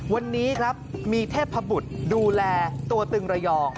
วันนี้ครับมีเทพบุตรดูแลตัวตึงระยอง